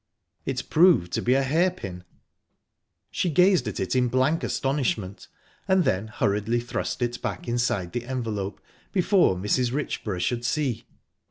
It proved to be a hairpin. She gazed at in blank astonishment, and then hurriedly thrust it back inside the envelope, before Mrs. Richborough should see.